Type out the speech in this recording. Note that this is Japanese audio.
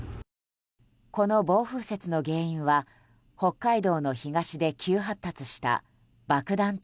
この暴風雪の原因は北海道の東で急発達した爆弾